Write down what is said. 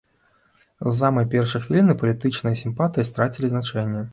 З самай першай хвіліны палітычныя сімпатыі страцілі значэнне.